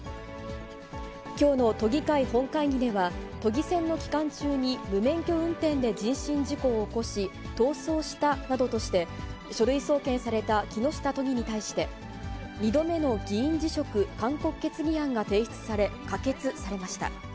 きょうの都議会本会議では、都議選の期間中に無免許運転で人身事故を起こし逃走したなどとして、書類送検された木下都議に対して、２度目の議員辞職勧告決議案が提出され、可決されました。